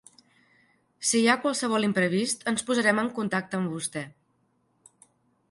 Si hi ha qualsevol imprevist ens posarem en contacte amb vostè.